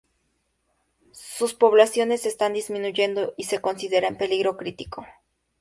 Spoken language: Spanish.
Sus poblaciones están disminuyendo y se considera en "peligro crítico".